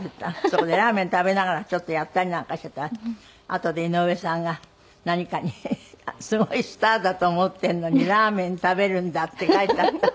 そこでラーメン食べながらちょっとやったりなんかしていたらあとで井上さんが何かに「すごいスターだと思っているのにラーメン食べるんだ」って書いてあった。